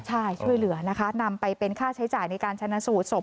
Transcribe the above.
ใช่ช่วยเหลือนะคะนำไปเป็นค่าใช้จ่ายในการชนะสูตรศพ